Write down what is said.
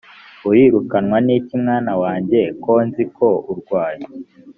urirukanwa n iki mwana wanjye ko uzi ko urwaye